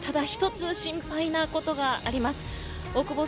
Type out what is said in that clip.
ただ１つ心配なことがあります。